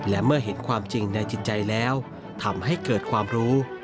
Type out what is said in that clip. และเมื่อเห็นความจริงในจิตใจแล้วทำให้เกิดความรู้